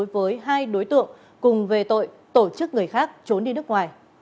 với hai đối tượng cùng về tội tổ chức người khác trốn đi nước ngoài